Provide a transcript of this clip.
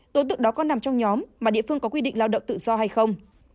tổ tượng đó còn nằm trong nhóm mà địa phương có quy định lao động tự do hay không